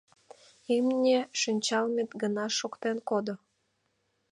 Имне шинчалме гына шоктен кодо.